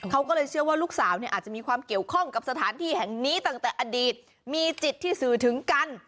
เขาก็เลยเชื่อว่าลูกสาวเนี่ยอาจจะมีความเกี่ยวข้องกับสถานที่แห่งนี้ตั้งแต่อดีตมีจิตที่สื่อถึงกัน